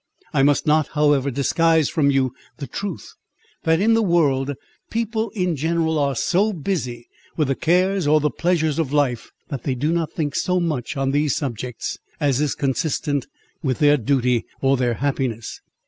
I must not, however, disguise from you the truth, that in the world, people in general are so busy with the cares or the pleasures of life, that they do not think so much on these subjects, as is consistent with their duty or their happiness."